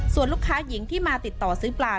ส่วนลูกค้าหญิงที่มาติดต่อซื้อปลา